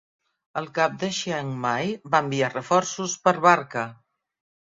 El cap de Chiang Mai va enviar reforços per barca.